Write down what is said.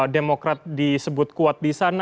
demokrat disebut kuat di sana